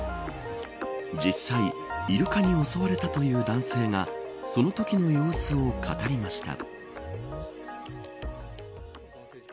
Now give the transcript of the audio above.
実際イルカに襲われたという男性がそのときの様子を語りました。